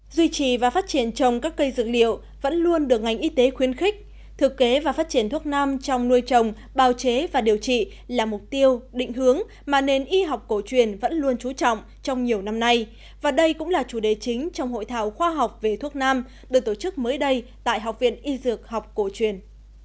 duy trì và phát triển trồng các cây dược liệu vẫn luôn được ngành y tế khuyến khích thực kế và phát triển thuốc nam trong nuôi trồng bào chế và điều trị là mục tiêu định hướng mà nền y học cổ truyền vẫn luôn trú trọng trong nhiều năm nay và đây cũng là chủ đề chính trong hội thảo khoa học về thuốc nam được tổ chức mới đây tại học viện y dược học cổ truyền